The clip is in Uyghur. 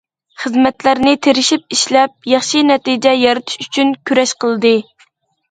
خىزمەتلەرنى تىرىشىپ ئىشلەپ، ياخشى نەتىجە يارىتىش ئۈچۈن كۈرەش قىلدى.